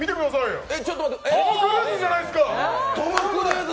トム・クルーズじゃないですか。